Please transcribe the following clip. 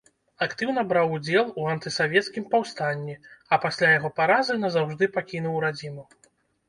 Актыўна браў удзел у антысавецкім паўстанні, а пасля яго паразы назаўжды пакінуў радзіму.